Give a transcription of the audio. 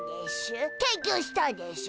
研究したんでしゅ。